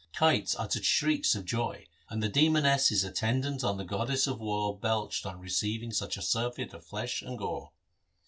Kites uttered shrieks of joy, and the demonesses attendant on the goddess of war belched on receiving such a surfeit of flesh and gore.